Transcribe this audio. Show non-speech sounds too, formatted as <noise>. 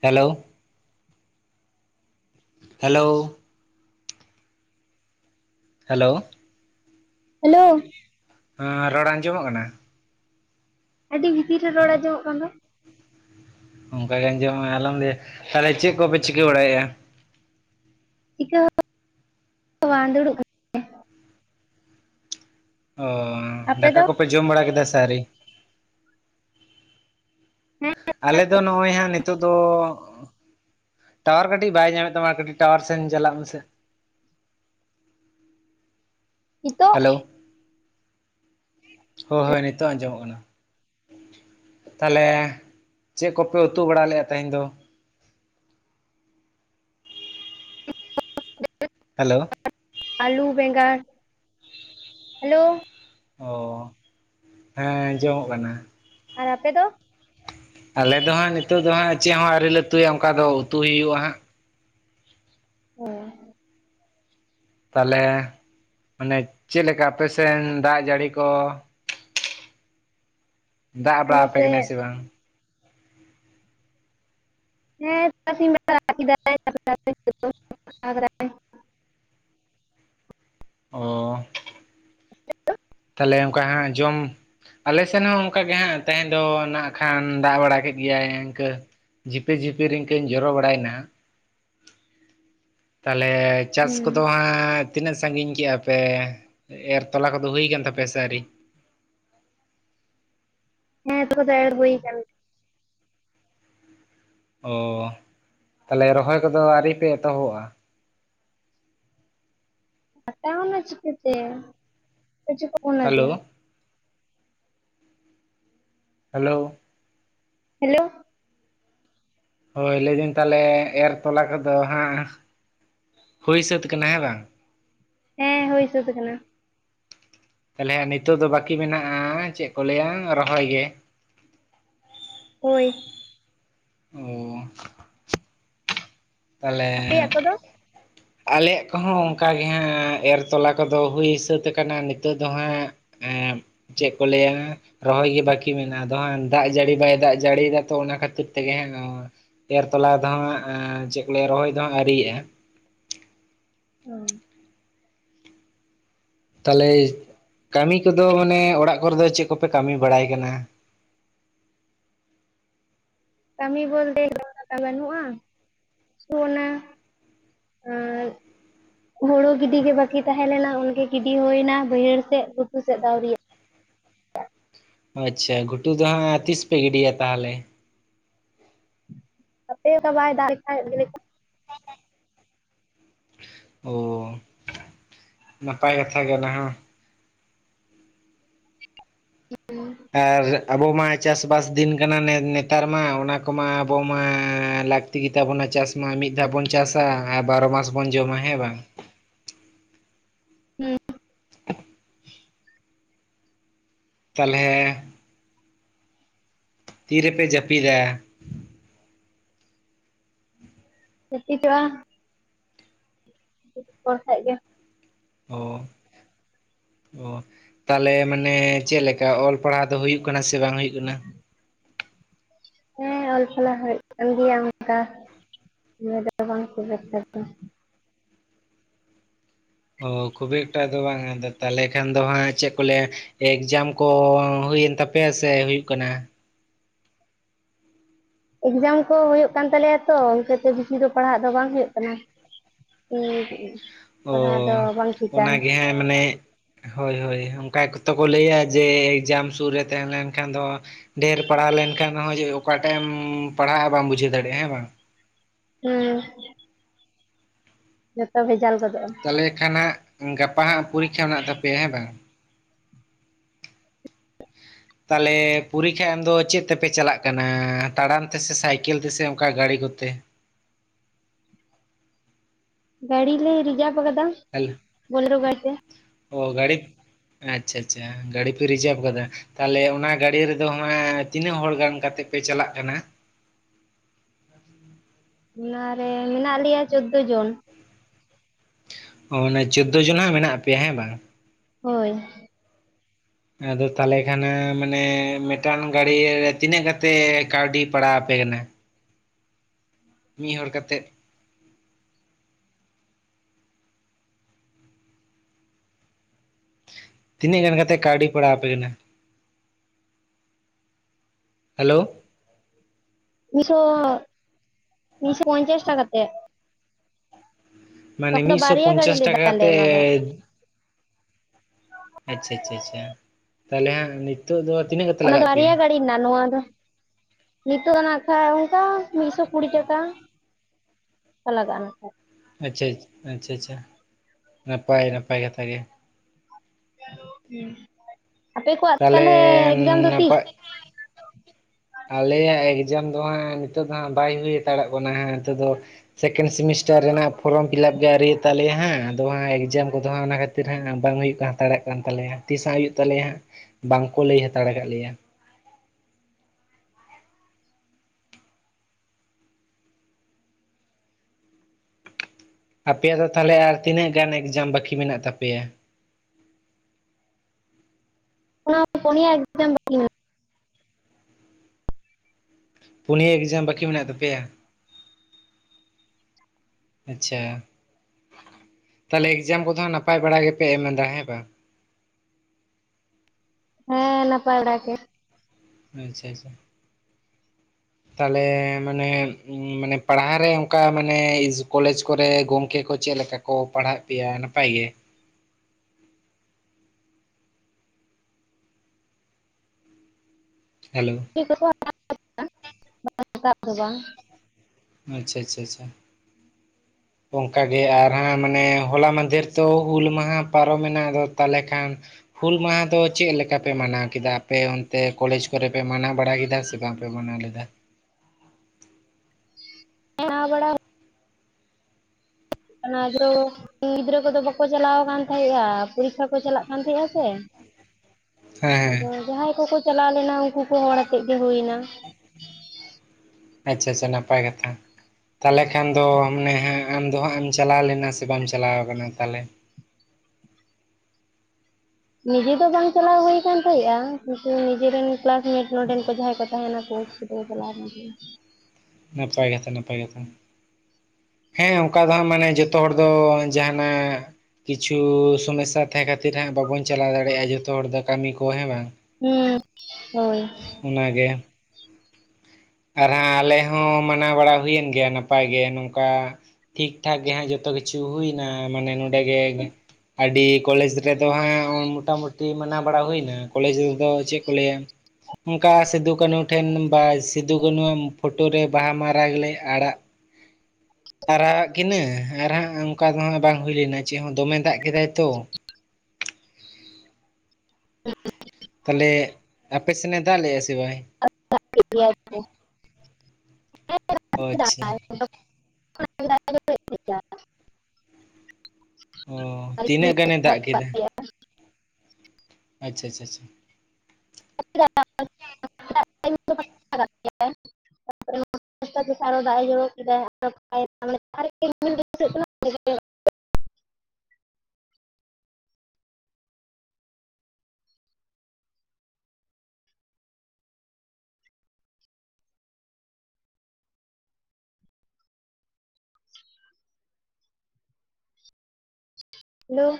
Hello hello hello hello ᱦᱮᱸ ᱨᱚᱲ ᱟᱸᱡᱚᱢᱚᱜ ᱠᱟᱱᱟ ᱟᱹᱰᱤ ᱵᱷᱤᱛᱤᱨ ᱨᱮ ᱨᱚᱲ ᱟᱡᱸᱚᱢᱚᱜ ᱠᱟᱱ ᱫᱚ ᱚᱱᱠᱟ ᱜᱮ ᱟᱸᱡᱚᱢ ᱢᱮ ᱟᱞᱚᱢ ᱞᱟᱹᱭᱟ ᱛᱟᱞᱦᱮ ᱪᱮᱫ ᱠᱚᱯᱮ ᱪᱤᱠᱟᱹ ᱵᱟᱲᱟᱭᱮᱫᱼᱟ? ᱪᱤᱠᱟᱹ ᱦᱚᱸ ᱵᱟᱝ ᱫᱩᱲᱩᱵ ᱠᱟᱱᱤᱧ ᱚᱻ ᱟᱯᱮ ᱫᱟᱠᱟ ᱫᱚ ᱠᱚᱯᱮ ᱡᱚᱢ ᱵᱟᱲᱟ ᱠᱮᱫᱟ ᱥᱮ ᱟᱹᱶᱨᱤ? ᱦᱮᱸ ᱟᱞᱮ ᱫᱚ ᱱᱚᱜᱼᱚᱭ ᱦᱟᱸᱜ ᱱᱤᱛᱚᱜ ᱫᱚ ᱴᱟᱣᱟᱨ ᱠᱟᱹᱴᱤᱡ ᱵᱟᱭ ᱧᱟᱢᱮᱫ ᱛᱟᱢᱟ ᱟᱨ ᱠᱟᱹᱴᱤᱡ ᱴᱟᱣᱟᱨ ᱥᱮᱱ ᱪᱟᱞᱟᱜ ᱢᱮᱥᱮ ᱱᱤᱛᱳᱜ ᱦᱮᱞᱳ ᱦᱳᱭ ᱦᱳᱭ ᱱᱤᱛᱳᱜ ᱟᱸᱡᱚᱢᱚᱜ ᱠᱟᱱᱟ ᱛᱟᱦᱚᱞᱮ ᱪᱮᱫ ᱠᱚᱯᱮ ᱩᱛᱩ ᱵᱟᱲᱟ ᱞᱮᱫᱼᱟ ᱛᱮᱦᱮᱧ ᱫᱚ? ᱦᱮᱞᱳ ᱟᱞᱩ ᱵᱮᱸᱜᱟᱲ ᱦᱮᱞᱳ ᱚ ᱦᱮᱸ ᱟᱸᱡᱚᱢᱚᱜ ᱠᱟᱱᱟ ᱟᱨ ᱟᱯᱮ ᱫᱚ ᱟᱞᱮ ᱫᱚ ᱦᱟᱸᱜ ᱱᱤᱛᱚᱜ ᱫᱚ ᱦᱟᱸᱜ ᱪᱮᱫ ᱦᱚᱸ ᱟᱹᱣᱨᱤ ᱞᱮ ᱩᱛᱩᱭᱟ ᱚᱱᱠᱟ ᱫᱚ ᱩᱛᱩ ᱦᱩᱭᱩᱜᱼᱟ ᱦᱟᱸᱜ ᱚ ᱛᱟᱞᱦᱮ ᱢᱟᱱᱮ ᱪᱮᱫ ᱞᱮᱠᱟ ᱟᱯᱮ ᱥᱮᱫ ᱫᱟᱜ ᱡᱟᱹᱲᱤ ᱠᱚ? ᱫᱟᱜ ᱟᱞᱮ ᱵᱟᱲᱟ ᱟᱯᱮ ᱠᱟᱱᱟᱭ ᱥᱮᱫ ᱥᱮ ᱵᱟᱝ? ᱦᱮᱸ ᱥᱤᱧ ᱵᱮᱲᱟ ᱫᱟᱜ ᱞᱮᱫᱟᱭ ᱱᱤᱛᱳᱜ ᱫᱚ ᱟᱥᱳᱲ ᱵᱟᱲᱟ ᱠᱮᱫᱟᱭ ᱚᱻ ᱛᱟᱦᱚᱞᱮ ᱚᱱᱠᱟ ᱦᱟᱸᱜ ᱡᱚᱢᱼᱼ ᱟᱞᱮ ᱥᱮᱱ ᱦᱚᱸ ᱚᱱᱠᱟ ᱜᱮ ᱦᱟᱜ ᱛᱟᱦᱮᱸ ᱫᱚ ᱱᱟᱜ ᱠᱷᱟᱱ ᱫᱟᱜ ᱵᱟᱲᱟ ᱠᱮᱫ ᱜᱮᱭᱟᱭ ᱤᱱᱠᱟᱹ ᱡᱷᱤᱯᱨ ᱡᱷᱤᱯᱨ ᱨᱤᱝᱠᱟᱹᱧ ᱡᱚᱨᱚ ᱵᱟᱲᱟᱭᱱᱟ ᱛᱟᱦᱞᱮ ᱪᱟᱥ ᱦᱩᱸ ᱠᱚᱫᱚ ᱦᱟᱸᱜ ᱛᱤᱱᱟᱹᱜ ᱥᱟᱹᱜᱤᱧ ᱠᱮᱫᱼᱟ ᱯᱮ ᱮᱨ ᱛᱚᱞᱟ ᱠᱚᱫᱚ ᱦᱩᱭ ᱟᱠᱟᱱ ᱛᱟᱯᱮᱭᱟ ᱥᱮ ᱟᱹᱨᱤ ᱦᱮ ᱛᱚᱵᱮ ᱫᱚ ᱮᱰ ᱦᱚᱭ ᱠᱟᱱᱟ᱾ ᱚ ᱛᱟᱦᱚᱞᱮ ᱨᱚᱦᱚᱭ ᱠᱚᱫᱚ ᱟᱹᱣᱨᱤ ᱯᱮ ᱮᱛᱚᱦᱚᱵᱚᱜᱼᱟ ᱠᱟᱴᱟᱣ ᱱᱟ ᱪᱤᱠᱟᱹᱛᱮ ᱚᱠᱚᱭ ᱪᱚ ᱠᱚ ᱯᱷᱚᱱ ᱟᱫᱮ ᱦᱮᱞᱳ ᱦᱮᱞᱳ ᱦᱮᱞᱳ ᱦᱳᱭ ᱞᱟᱹᱭᱫᱟᱹᱧ ᱛᱟᱦᱚᱞᱮ ᱮᱨ ᱛᱚᱞᱟ ᱠᱚᱫᱚ ᱦᱟᱸᱜ ᱦᱩᱭ ᱥᱟᱹᱛ ᱠᱟᱱᱟ ᱦᱮᱸ ᱵᱟᱝ‍? ᱦᱮᱸ ᱦᱩᱭ ᱥᱟᱹᱛ ᱟᱠᱟᱱᱟ᱾ ᱛᱟᱦᱚᱞᱮ ᱦᱮ ᱱᱤᱛᱚᱜ ᱫᱚ ᱵᱟᱹᱠᱤ ᱢᱮᱱᱟᱜᱼᱟ ᱪᱮᱫ ᱠᱚ ᱞᱟᱹᱭᱟ ᱨᱚᱦᱚᱭ ᱜᱮ ᱦᱳᱭ ᱚᱻ ᱟᱯᱮᱭᱟᱜ ᱛᱟᱦᱚᱞᱮ ᱠᱚᱫᱚ ᱟᱞᱮᱭᱟᱜ ᱠᱚ ᱦᱚᱸ ᱚᱱᱠᱟ ᱜᱮ ᱦᱟᱸᱜ ᱮᱨ ᱛᱚᱞᱟ ᱠᱚᱫᱚ ᱦᱩᱭ ᱥᱟᱹᱛ ᱟᱠᱟᱱᱟ ᱱᱤᱛᱚᱜ ᱫᱚ ᱦᱟᱸᱜᱼᱼ ᱮᱸᱜ ᱪᱮᱫ ᱠᱚ ᱞᱟᱹᱭᱟ ᱨᱚᱦᱚᱭ ᱜᱮ ᱵᱟᱹᱠᱤ ᱢᱮᱱᱟᱜᱼᱟ ᱟᱫᱚ ᱦᱟᱸᱜ ᱫᱟᱜ ᱡᱟᱹᱲᱤ ᱵᱟᱭ ᱫᱟᱜ ᱡᱟᱹᱲᱤᱭᱫᱟ ᱛᱚ ᱚᱱᱟ ᱠᱷᱟᱹᱛᱤᱨ ᱛᱮᱜᱮ ᱦᱟᱸᱜ ᱮᱨ ᱛᱚᱞᱟ ᱫᱚ ᱦᱟᱸᱜ ᱪᱮᱫ ᱠᱚᱞᱮ ᱨᱚᱦᱚᱭ ᱫᱚ ᱦᱟᱸᱜ ᱟᱹᱣᱤᱭᱟᱜᱼᱟ᱾ ᱦᱩᱸ ᱛᱟᱦᱚᱞᱮ ᱠᱟᱹᱢᱤ ᱠᱚᱫᱚ ᱢᱟᱱᱮ ᱚᱲᱟᱜ ᱠᱚᱨᱮ ᱫᱚ ᱪᱮᱫ ᱠᱚᱯᱮ ᱠᱟᱹᱢᱤ ᱵᱟᱲᱟᱭ ᱠᱟᱱᱟ᱾ ᱠᱟᱹᱢᱤ ᱵᱚᱞᱛᱮ <unintelligible> ᱵᱟᱹᱱᱩᱜᱼᱟ ᱥᱚᱱᱟ᱾ ᱟᱸ ᱦᱳᱲᱩ ᱜᱤᱰᱤ ᱜᱮ ᱵᱟᱠᱤ ᱛᱟᱦᱮᱸ ᱞᱮᱱᱟ ᱚᱱᱟ ᱜᱮ ᱜᱤᱰᱤ ᱦᱩᱭᱮᱱᱟ ᱵᱟᱹᱭᱦᱟᱹᱲ ᱥᱮᱫ ᱜᱷᱩᱴᱩ ᱥᱮᱫ ᱫᱟ ᱟᱣᱨᱤᱭᱟᱜᱼᱟ ᱚ ᱟᱪᱪᱷᱟ ᱜᱷᱩᱴᱩ ᱫᱚ ᱦᱟᱸᱜ ᱛᱤᱥ ᱯᱮ ᱜᱤᱰᱤᱭᱟ ᱛᱟᱦᱚᱞᱮ? ᱦᱟᱯᱮ ᱫᱚ ᱵᱟᱭ ᱫᱟᱜ ᱞᱮᱠᱷᱟᱡᱼᱼ <inaudible> ᱚ ᱱᱟᱯᱟᱭ ᱠᱟᱛᱷᱟ ᱠᱟᱱᱟ ᱜᱮ ᱚᱱᱟ ᱦᱚᱸ ᱦᱩᱸ ᱟᱨ ᱟᱵᱚᱢ ᱢᱟ ᱪᱟᱥ-ᱵᱟᱥ ᱫᱤᱱ ᱠᱟᱱᱟ ᱱᱮᱛᱟᱨ ᱢᱟ ᱚᱱᱟ ᱠᱚᱢᱟ ᱟᱵᱚ ᱢᱟ ᱞᱟᱠᱛᱤᱼᱼ ᱛᱮᱜᱤ ᱛᱵᱚᱱᱟ ᱪᱟᱥ ᱢᱟ ᱢᱤᱫ ᱫᱷᱟᱣ ᱵᱚᱱ ᱪᱟᱥᱟ ᱟᱨ ᱵᱟᱨᱚ ᱢᱟᱥ ᱵᱚᱱ ᱡᱚᱢᱟ ᱦᱮᱸ ᱵᱟᱝ? ᱦᱮᱸᱻ <inaudible> ᱛᱟᱞᱚᱦᱮᱼᱼ ᱛᱤᱨᱮᱯᱮ ᱡᱟᱹᱯᱤᱫᱟ᱾ ᱡᱟᱯᱤᱫᱚᱜᱼᱟ ᱟᱨ ᱠᱟᱴᱤᱡ ᱯᱚᱨ ᱠᱷᱟᱡ ᱜᱮ ᱚᱻ ᱚ ᱛᱟᱦᱚᱞᱮ ᱢᱟᱱᱮ ᱪᱮᱫ ᱞᱮᱠᱟ ᱚᱞ ᱯᱟᱲᱦᱟᱣ ᱫᱚ ᱦᱩᱭᱩᱜ ᱠᱟᱱᱟ ᱥᱮ ᱵᱟᱝ ᱦᱩᱭᱩᱜ ᱠᱟᱱᱟ᱾ ᱦᱮᱸ ᱚᱞᱯᱟᱲᱦᱣ ᱦᱩᱭᱩᱜ ᱠᱟᱱ ᱜᱮᱭᱟ ᱚᱱᱠᱟ᱾ <unintelligible> ᱚ ᱠᱷᱩᱵᱤ ᱮᱠᱴᱟ ᱫᱚ ᱵᱟᱝᱟ ᱟᱫᱚ ᱛᱟᱦᱚᱞᱮ ᱠᱷᱟᱱ ᱫᱚ ᱦᱟᱸᱜ ᱪᱮᱫ ᱠᱚ ᱞᱟᱹᱭᱟᱼᱼ ᱮᱠᱡᱟᱢ ᱠᱚ ᱦᱩᱭᱮᱱ ᱛᱟᱯᱮᱭᱟ ᱥᱮ ᱦᱩᱭᱩᱜ ᱠᱟᱱᱟ᱾ ᱮᱠᱡᱟᱢ ᱠᱚ ᱦᱩᱭᱩᱜ ᱠᱟᱱ ᱛᱟᱞᱮᱭᱟ ᱛᱚ ᱤᱱᱠᱟᱹᱛᱮ ᱵᱮᱥᱤ ᱫᱚ ᱯᱟᱲᱦᱟᱜ ᱫᱚ ᱵᱟᱝ ᱦᱩᱭᱩᱜ ᱠᱟᱱᱟ᱾ ᱦᱮᱸ ᱚ ᱚᱱᱟᱜᱮ ᱦᱟᱸᱜ ᱢᱟᱱᱮ ᱦᱳᱭ ᱦᱳᱭ ᱚᱱᱠᱟ ᱜᱮᱛᱚ ᱠᱚ ᱞᱟᱹᱭᱟ ᱡᱮ ᱮᱠᱡᱟᱢ ᱥᱩᱨ ᱨᱮ ᱛᱟᱦᱮᱸ ᱞᱮᱱᱠᱷᱟᱱ ᱫᱚ ᱰᱷᱮᱨ ᱯᱟᱲᱦᱟᱣ ᱞᱮᱱᱠᱷᱟᱱ ᱦᱚᱸ ᱡᱮ ᱚᱠᱟᱴᱟᱜ ᱮᱢ ᱯᱟᱲᱦᱟᱜᱼᱟ ᱵᱟᱢ ᱵᱩᱡᱷᱟᱹᱣ ᱫᱟᱲᱮᱭᱟᱜᱼᱟ ᱦᱮᱸ ᱵᱟᱝ᱾ ᱦᱩᱸ ᱡᱚᱛᱚ ᱵᱷᱮᱡᱟᱞ ᱜᱚᱫᱚᱜᱼᱟ᱾ ᱛᱟᱦᱚᱞᱮ ᱠᱷᱟᱱ ᱦᱟᱸᱜ ᱜᱟᱯᱟ ᱦᱟᱸᱜ ᱯᱚᱨᱤᱠᱠᱷᱟ ᱢᱮᱱᱟᱜ ᱛᱟᱯᱮᱭᱟ ᱦᱮᱸ ᱵᱟᱝ᱾ <inaudible> <unintelligible> ᱛᱟᱦᱚᱞᱮ ᱯᱚᱨᱤᱠᱠᱷᱟ ᱮᱢ ᱫᱚ ᱪᱮᱫ ᱛᱮᱯᱮ ᱪᱟᱞᱟᱜ ᱠᱟᱱᱟ ᱛᱟᱲᱟᱢ ᱛᱮᱥᱮ ᱥᱟᱭᱠᱮᱞ ᱛᱮᱥᱮ ᱚᱱᱠᱟ ᱜᱟᱹᱲᱤ ᱠᱚᱛᱮ᱾ ᱜᱟᱲᱤ ᱞᱮ ᱨᱤᱡᱟᱵᱽ ᱟᱠᱟᱫᱟ ᱦᱮᱞᱳ ᱵᱳᱞᱮᱨᱳ ᱜᱟᱲᱤ ᱛᱮ᱾ ᱚ ᱜᱟᱲᱤ ᱟᱪᱪᱷᱟ ᱟᱪᱪᱷᱟ ᱜᱟᱹᱲᱤ ᱯᱮ ᱨᱤᱡᱟᱵᱷ ᱟᱠᱟᱫᱟ᱾ ᱛᱟᱦᱚᱞᱮ ᱚᱱᱟ ᱜᱟᱹᱲᱤ ᱨᱮᱫᱚ ᱦᱟᱸᱜ ᱛᱤᱱᱟᱹᱜ ᱦᱚᱲ ᱜᱟᱱ ᱠᱟᱛᱮᱜ ᱯᱮ ᱪᱟᱞᱟᱜ ᱠᱟᱱᱟ? ᱚᱱᱟᱨᱮ ᱢᱮᱱᱟᱜ ᱞᱮᱭᱟ ᱪᱳᱫᱫᱳ ᱡᱚᱱ᱾ ᱚ ᱚᱱᱮ ᱪᱳᱫᱽᱫᱳ ᱡᱚᱱ ᱦᱟᱸᱜ ᱢᱮᱱᱟᱜ ᱯᱮᱭᱟ ᱦᱮᱸ ᱵᱟᱝ᱾ ᱦᱳᱭ ᱟᱫᱚ ᱛᱟᱦᱚᱞᱮ ᱠᱷᱟᱱ ᱢᱟᱱᱮ ᱢᱤᱫᱴᱟᱝ ᱜᱟᱹᱲᱤ ᱛᱤᱱᱟᱹᱜ ᱠᱟᱛᱮ ᱠᱟᱹᱣᱰᱤ ᱯᱟᱲᱟᱣ ᱟᱯᱮ ᱠᱟᱱᱟ᱾ ᱢᱤᱫ ᱦᱚᱲ ᱠᱟᱛᱮᱫ᱾ ᱛᱤᱱᱟᱹᱜ ᱜᱟᱱ ᱠᱟᱛᱮᱫ ᱠᱟᱹᱣᱰᱤ ᱯᱟᱲᱟᱣ ᱟᱯᱮ ᱠᱟᱱᱟ? ᱦᱮᱞᱳ ᱢᱤᱫᱥᱳ ᱢᱤᱫᱥᱳ ᱯᱚᱧᱪᱟᱥ ᱴᱟᱠᱟ ᱠᱟᱛᱮᱫ᱾ ᱢᱟᱱᱮ ᱛᱚᱠᱷᱚᱱ ᱫᱚ ᱢᱤᱫᱥᱚ ᱵᱟᱨᱭᱟ ᱜᱟᱹᱰᱤ ᱯᱚᱧᱪᱟᱥ ᱞᱮᱫᱟᱞᱮ ᱚᱱᱟ ᱫᱚ ᱴᱟᱠᱟᱛᱮᱡ᱾ ᱟᱪᱪᱷᱟ ᱟᱪᱪᱷᱟ ᱟᱪᱷᱟ ᱛᱟᱞᱦᱮ ᱦᱟᱸᱜ ᱱᱤᱛᱳᱜ ᱫᱚ ᱛᱤᱱᱟᱹᱜ ᱠᱟᱛᱮ ᱞᱟᱜᱟᱜ ᱯᱮᱭᱟ? ᱮᱱᱟ ᱱᱚᱣᱟ ᱫᱚ ᱱᱤᱛᱚᱜ ᱠᱷᱟᱱ ᱚᱱᱠᱟ ᱢᱤᱫᱥᱚ ᱠᱩᱲᱤ ᱴᱟᱠᱟ᱾ ᱞᱟᱜᱟᱜᱼᱟ ᱱᱚᱝᱠᱟ᱾ ᱟᱪᱪᱷᱟ ᱟᱪᱪᱷᱟ ᱟᱪᱪᱷᱟ ᱱᱟᱯᱟᱭ ᱱᱟᱯᱟᱭ ᱠᱟᱛᱷᱟ ᱜᱮ᱾ ᱟᱯᱮ ᱠᱚᱣᱟᱜ ᱛᱟᱦᱚᱞᱮ ᱛᱟᱦᱞᱮ ᱮᱠᱡᱟᱢ ᱫᱚ ᱛᱤᱥ? ᱱᱟᱯᱟᱭ ᱟᱞᱮᱭᱟᱜ ᱮᱠᱡᱟᱢ ᱫᱚ ᱦᱟᱸᱜ ᱱᱤᱛᱚᱜ ᱫᱚ ᱦᱟᱸᱜ ᱵᱟᱭ ᱦᱩᱭ ᱦᱟᱛᱟᱲᱚᱜ ᱠᱟᱱᱟ ᱦᱟᱜ ᱱᱤᱛᱚᱜ ᱫᱚ᱾ ᱥᱮᱠᱮᱱᱰ ᱥᱮᱢᱤᱥᱴᱟᱨ ᱨᱮᱱᱟᱜ ᱯᱷᱚᱨᱚ ᱯᱷᱤᱞᱟᱯ ᱜᱮ ᱟᱹᱣᱨᱤᱭᱟ ᱛᱟᱞᱮᱭᱟ ᱦᱟᱸᱜ ᱟᱫᱚ ᱦᱟᱸᱜ ᱮᱠᱡᱟᱢ ᱠᱚᱫᱚ ᱦᱟᱸᱜ ᱚᱱᱟ ᱠᱷᱟᱹᱛᱤᱨ, ᱠᱷᱟᱹᱛᱤᱨ ᱦᱟᱸᱜ ᱵᱟᱝ ᱦᱩᱭᱩᱜ ᱛᱟᱲᱟᱜ ᱠᱟᱱ ᱛᱟᱞᱮᱭᱟ ᱛᱤᱥ ᱦᱟᱸᱜ ᱦᱩᱭᱩᱜ ᱛᱟᱞᱮᱭᱟ ᱦᱟᱸᱜ ᱵᱟᱝᱠᱚ ᱞᱟᱹᱭ ᱦᱟᱛᱟᱲ ᱠᱟᱜ ᱞᱮᱭᱟ᱾ ᱟᱯᱮᱭᱟᱜ ᱫᱚ ᱛᱟᱦᱚᱞᱮ ᱟᱨ ᱛᱤᱱᱟᱹᱜ ᱜᱟᱱ ᱮᱠᱡᱟᱢ ᱵᱟᱹᱠᱤ ᱢᱮᱱᱟᱜ ᱛᱟᱯᱮᱭᱟ? ᱚᱱᱟ ᱯᱩᱱᱭᱟ ᱮᱠᱡᱟᱢ ᱵᱟᱠᱤ‌ ᱢᱮᱱᱟ᱾ ᱯᱩᱱᱭᱟᱹ ᱮᱠᱡᱟᱢ ᱵᱟᱠᱤ ᱢᱮᱱᱟᱜ ᱛᱟᱯᱮᱭᱟ᱾ ᱟᱪᱪᱷᱟ ᱛᱟᱦᱚᱞᱮ ᱮᱠᱡᱟᱢ ᱠᱚᱫᱚ ᱦᱟᱸ ᱱᱟᱯᱟᱭ ᱵᱟᱲᱟ ᱜᱮᱯᱮ ᱮᱢᱫᱟ ᱦᱮᱸ ᱵᱟᱝ? ᱦᱮᱸ ᱱᱟᱯᱟᱭ ᱵᱟᱲᱟ ᱜᱮ᱾ ᱟᱪᱪᱷᱟ ᱟᱪᱪᱷᱟ ᱛᱟᱦᱚᱞᱮ ᱢᱟᱱᱮ ᱢᱟᱱᱮ ᱯᱟᱲᱦᱟᱣ ᱨᱮ ᱚᱱᱠᱟ ᱢᱟᱱᱮ ᱠᱚᱞᱮᱡᱽ ᱠᱚᱨᱮ ᱜᱚᱝᱠᱮ ᱠᱚ ᱪᱮᱫ ᱞᱮᱠᱟ? ᱠᱚ ᱯᱟᱲᱦᱟᱜᱮᱫ ᱯᱮᱭᱟ ᱱᱟᱯᱟᱭ ᱜᱮ? ᱦᱮᱞᱳ᱾ ᱪᱮᱫ ᱠᱚ <unintelligible> ᱫᱚ ᱵᱟᱝ ᱟᱪᱪᱷᱟ ᱟᱪᱪᱷᱟ ᱟᱪᱷᱟ᱾ ᱚᱱᱠᱟᱜᱮ ᱟᱨ ᱦᱚᱸ ᱢᱟᱱᱮ ᱦᱚᱞᱟ ᱢᱟᱟᱦᱫᱷᱮᱨ ᱛᱚ ᱦᱩᱞ ᱢᱟᱦᱟ ᱯᱟᱨᱚᱢᱮᱱᱟ ᱟᱫᱚ ᱛᱟᱦᱚᱞᱮ ᱠᱷᱟᱱ- ᱦᱩᱞ ᱢᱟᱦᱟ ᱫᱚ ᱪᱮᱫ ᱞᱮᱠᱟ ᱯᱮ ᱢᱟᱱᱟᱣ ᱠᱮᱫᱟ ᱟᱯᱮ ᱚᱱᱛᱮ ᱠᱚᱞᱮᱡᱽ ᱠᱚᱨᱮ ᱯᱮ ᱢᱟᱱᱟᱣ ᱵᱟᱲᱟ ᱠᱮᱫᱟ ᱥᱮ᱾ ᱵᱟᱝᱯᱮ ᱢᱟᱱᱟᱣ ᱞᱮᱫᱟ᱾ ᱱᱟᱵᱟᱲᱟ- ᱚᱱᱟ ᱟᱫᱚ᱾ ᱜᱤᱫᱽᱨᱟᱹ ᱠᱚᱫᱚ ᱵᱟᱠᱚ ᱪᱟᱞᱟᱣ ᱟᱠᱟᱱ ᱛᱟᱦᱮᱸᱫᱼᱟ ᱯᱚᱨᱤᱠᱷᱟ ᱠᱚ ᱪᱟᱞᱟᱜ ᱠᱟᱱ ᱛᱟᱦᱮᱸᱫᱼᱟ ᱥᱮ᱾ <inaudible> ᱦᱮᱸ ᱟᱫᱚ ᱡᱟᱦᱟᱸᱭ ᱠᱚᱠᱚ ᱪᱟᱞᱟᱣ ᱞᱮᱱᱟ ᱩᱱᱠᱩ ᱠᱚ ᱦᱚᱲ ᱟᱛᱮᱜ ᱜᱮ ᱦᱩᱭᱱᱟ᱾ ᱟᱪᱪᱷᱟ ᱟᱪᱪᱷᱟ ᱱᱟᱯᱟᱭ ᱠᱟᱛᱷᱟ ᱛᱟᱦᱚᱞᱮ ᱠᱷᱟᱱ ᱫᱚ ᱱᱮ ᱦᱟᱜᱼᱼ ᱟᱢ ᱫᱚ ᱦᱟᱸᱜ ᱮᱢ ᱪᱟᱞᱟᱣ ᱞᱮᱱᱟ ᱥᱮ ᱵᱟᱢ ᱪᱟᱞᱟᱣ ᱟᱠᱟᱱᱟ ᱛᱟᱦᱚᱞᱮ? ᱱᱤᱡᱮ ᱫᱚ ᱵᱟᱝ ᱪᱟᱞᱟᱣ ᱦᱩᱭ ᱟᱠᱟᱱ ᱛᱟᱦᱮᱸᱼᱟ ᱠᱤᱱᱛᱩ ᱱᱤᱡᱮᱨᱮᱱ ᱠᱮᱞᱟᱥᱢᱮᱴ ᱱᱚᱰᱮᱱ ᱠᱚ ᱡᱟᱦᱟᱸᱭ ᱠᱚ ᱛᱟᱦᱮᱱᱟ ᱠᱚ ᱩᱱᱠᱩ <unintelligible> ᱱᱟᱯᱟᱭ ᱠᱟᱛᱷᱟ ᱱᱟᱯᱟᱭ ᱠᱟᱛᱷᱟ᱾ ᱦᱮᱸ ᱚᱱᱠᱟ ᱫᱚ ᱦᱟᱸᱜ ᱢᱟᱱᱮ ᱡᱚᱛᱚ ᱦᱚᱲ ᱫᱚ ᱡᱟᱦᱟᱱᱟᱜ᱾ ᱠᱤᱪᱷᱩ ᱥᱚᱢᱚᱥᱥᱟ ᱛᱟᱦᱮᱸ ᱠᱷᱟᱹᱛᱤᱨ ᱦᱟᱸᱜ ᱵᱟᱵᱚᱱ ᱪᱟᱞᱟᱣ ᱫᱟᱲᱮᱭᱟᱜᱼᱟ ᱡᱚᱛᱚ ᱦᱚᱲ ᱫᱚ ᱠᱟᱹᱢᱤ ᱠᱚ ᱦᱮᱸ ᱵᱟᱝ᱾ ᱦᱩᱸ ᱦᱳᱭ᱾ ᱚᱱᱟᱜᱮᱼᱼ ᱟᱨ ᱦᱟᱜ ᱟᱞᱮ ᱦᱚᱸ ᱢᱟᱱᱟᱣ ᱵᱟᱲᱟ ᱦᱩᱭᱮᱱ ᱜᱮᱭᱟ ᱱᱟᱯᱟᱭ ᱜᱮ ᱱᱚᱝᱼᱠᱟ ᱴᱷᱤᱠ ᱴᱷᱟᱠ ᱜᱮ ᱦᱟᱸᱜ ᱡᱚᱛᱚ ᱠᱤᱪᱷᱩ ᱦᱩᱭᱱᱟ ᱢᱟᱱᱮ ᱱᱚᱼᱼ ᱚᱸᱰᱮᱜ ᱟᱹᱰᱤ ᱠᱚᱞᱮᱡᱽ ᱨᱮᱫᱚ ᱦᱟᱜ ᱢᱚᱴᱟᱢᱩᱴᱤᱼᱼ ᱢᱟᱱᱟᱣ ᱵᱟᱲᱟ ᱦᱩᱭᱱᱟ ᱠᱚᱞᱮᱡᱽ ᱨᱮᱫᱚ ᱪᱮᱫ ᱠᱚ ᱞᱟᱹᱭᱟ ᱚᱱᱠᱟ ᱥᱤᱫᱩ ᱠᱟᱹᱱᱩ ᱴᱷᱮᱱ ᱵᱟᱼᱼ ᱥᱤᱫᱩ ᱠᱟᱹᱱᱩ ᱟᱣᱟᱜ ᱯᱷᱳᱴᱳ ᱨᱮ ᱵᱟᱦᱟ ᱢᱟᱨᱟᱜᱽᱞᱮ ᱟᱲᱟᱜᱼᱼ ᱟᱨᱟᱨᱟᱣᱟᱜ ᱠᱤᱱᱟᱹ ᱟᱨ ᱦᱟᱸᱜ ᱚᱱᱠᱟ ᱫᱚ ᱦᱟᱸᱜ ᱵᱟᱝ ᱦᱩᱭ ᱞᱮᱱᱟ ᱪᱮᱫ ᱦᱚᱸ ᱫᱚᱢᱮ ᱫᱟᱜ ᱠᱮᱫᱟᱭ ᱛᱚ᱾ ᱛᱟᱦᱚᱞᱮ ᱟᱯᱮᱥᱮᱱᱮ ᱫᱟᱜ ᱞᱮᱫᱼᱟ ᱥᱮ ᱵᱟᱭ? ᱚ ᱟᱪᱪᱷᱟ <unintelligible> <unintelligible> ᱚ ᱛᱤᱱᱟᱹᱜ ᱜᱟᱱᱮ ᱫᱟᱜ ᱠᱮᱫᱟ? ᱟᱪᱷᱟ ᱪᱪᱷᱟᱻᱪᱷᱟ <unintelligible> ᱫᱟᱜ ᱮ ᱡᱚᱲ ᱠᱮᱫᱟᱭ <unintelligible> ᱦᱮᱸ <unintelligible> ᱦᱮᱞᱩᱳ